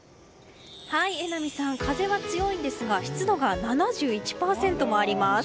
榎並さん、風は強いんですが湿度が７１％もあります。